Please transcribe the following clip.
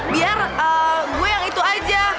biar gue yang itu aja